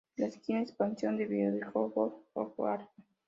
Es la quinta expansión del videojuego de World of Warcraft.